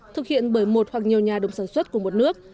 thực hiện bởi một hoặc nhiều nhà đồng sản xuất của một nước